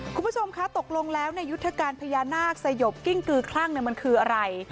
คุณผู้ชมคะตกลงแล้วในยุทธการพญานาคสยบกิ้งกือคลั่งมันคืออะไร